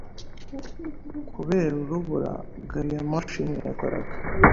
Kubera urubura, gari ya moshi ntiyakoraga.